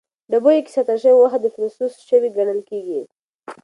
ډبیو کې ساتل شوې غوښه د پروسس شوې ګڼل کېږي.